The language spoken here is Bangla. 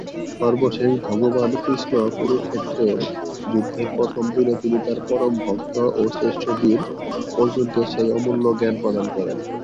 সর্বশেষ ভগবান কৃষ্ণ কুরুক্ষেত্রের যুদ্ধের প্রথম দিনে তিনি তার পরম ভক্ত ও শ্রেষ্ঠ বীর অর্জুনকে সেই অমূল্য জ্ঞান প্রদান করেন।